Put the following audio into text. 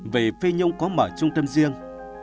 vì phi nhung có mở trung tâm riêng